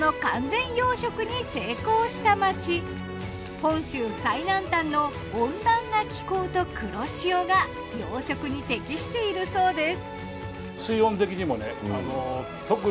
本州最南端の温暖な気候と黒潮が養殖に適しているそうです。